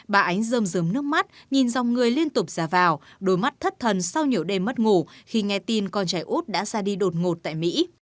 bà ấy rơm rơm nước mắt nhìn dòng người liên tục ra vào đôi mắt thất thần sau nhiều đêm mất ngủ khi nghe tin con trái út đã ra đi đột ngột tại mỹ